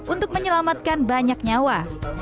untuk menyelamatkan banyak nyawa